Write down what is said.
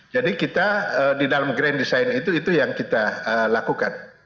jadi kita di dalam grand design itu yang kita lakukan